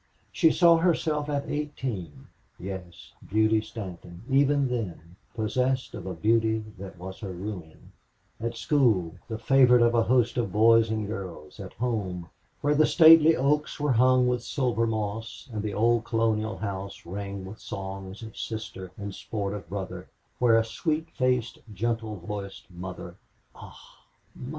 She saw herself at eighteen yes, Beauty Stanton even then, possessed of a beauty that was her ruin; at school, the favorite of a host of boys and girls; at home, where the stately oaks were hung with silver moss and the old Colonial house rang with song of sister and sport of brother, where a sweet faced, gentle voiced mother "Ah...